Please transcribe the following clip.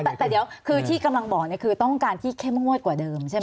แต่เดี๋ยวคือที่กำลังบอกเนี่ยคือต้องการที่เข้มงวดกว่าเดิมใช่ไหม